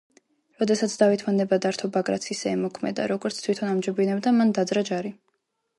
როდესაც დავითმა ნება დართო ბაგრატს ისე ემოქმედა, როგორც თვითონ ამჯობინებდა, მან დაძრა ჯარი.